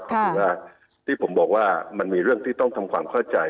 ก็คือว่าที่ผมบอกว่ามันมีเรื่องที่ต้องทำความเข้าใจ